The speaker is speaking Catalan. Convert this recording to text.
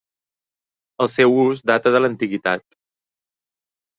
El seu ús data de l'antiguitat.